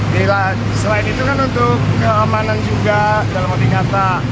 bila selain itu kan untuk keamanan juga dalam adik kata